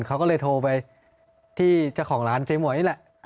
เขาก็เลยโทรไปที่เจ้าของร้านเจ๊หมวยนี่แหละ